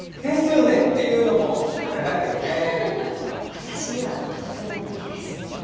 私にはとても無理です。